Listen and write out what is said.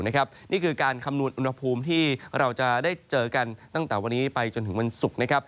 นี่คือการคำนวณอุณหภูมิที่เราจะได้เจอกันตั้งแต่วันนี้ไปจนถึงวันศุกร์นะครับ